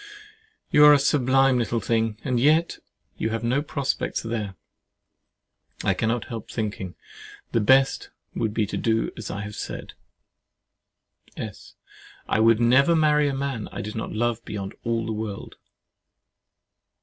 You are a sublime little thing! And yet, as you have no prospects there, I cannot help thinking, the best thing would be to do as I have said. S. I would never marry a man I did not love beyond all the world.